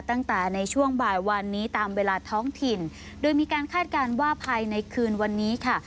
ตั้งแต่ในช่วงบ่ายวันนี้ตามเวลาท้องถิ่นโดยมีการคาดการณ์ว่าภายในคืนวันนี้ค่ะ